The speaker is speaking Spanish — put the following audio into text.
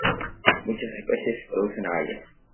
Muchas especies producen agallas.